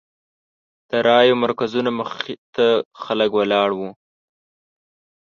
د رایو مرکزونو مخې ته خلک ولاړ وو.